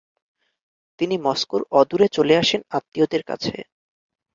তিনি মস্কোর অদূরে চলে আসেন আত্মীয়দের কাছে।